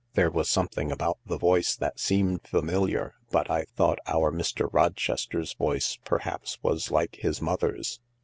There was something about the voice that seemed familiar, but I thought our Mr. Rochester's voice perhaps was like his mother's."